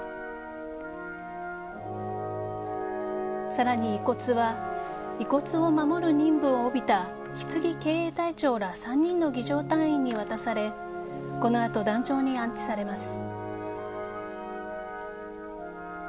更に遺骨は遺骨を守る任務を帯びたひつぎ警衛隊長ら３人の儀仗隊員に渡されこのあと壇上に安置されます。